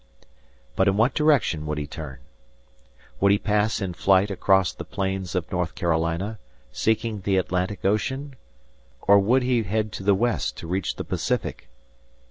But in what direction would he turn? Would he pass in flight across the plains of North Carolina, seeking the Atlantic Ocean? Or would he head to the west to reach the Pacific?